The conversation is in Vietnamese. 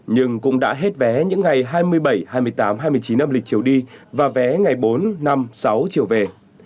nhưng cũng đã hết vé những ngày hai mươi bảy hai mươi tám hai mươi chín âm lịch chiều đi và vé ngày bốn năm sáu chiều về